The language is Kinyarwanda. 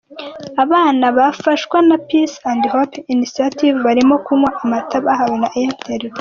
Abana bafashwa na Peace and Hope Initiative barimo kunywa amata bahawe na Airtel Rwanda.